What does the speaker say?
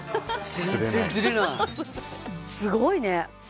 すごいね！